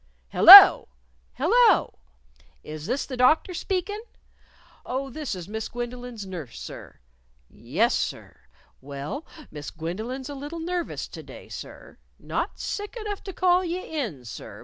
"Hello!... Hello! Is this the Doctor speakin'?... Oh, this is Miss Gwendolyn's nurse, sir.... Yes sir. Well, Miss Gwendolyn's a little nervous to day, sir. Not sick enough to call you in, sir....